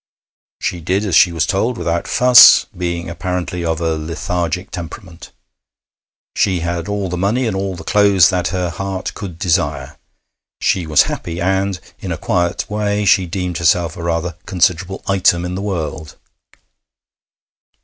She did as she was told without fuss, being apparently of a lethargic temperament; she had all the money and all the clothes that her heart could desire; she was happy, and in a quiet way she deemed herself a rather considerable item in the world.